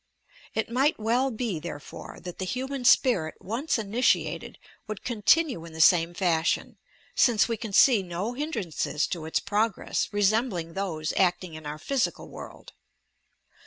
It might well be, therefore, that the human spirit once initiated, would continue in the same fashion, since we can see no hin drances to its progress resembling those acting in our physical world.